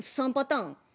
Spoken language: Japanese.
３パターン？